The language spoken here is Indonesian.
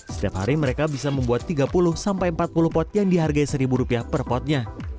setiap hari mereka bisa membuat tiga puluh sampai empat puluh pot yang dihargai rp satu per potnya